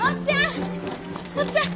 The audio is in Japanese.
おっちゃん！